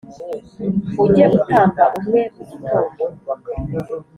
Ujye utamba umwe mu gitondo